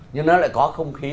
nhưng nó lại có không khí